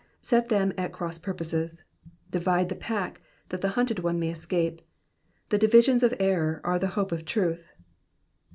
Set them at cross purposes. Divide the pack that the hunted one may escape. The divisions of error are the hope of truth.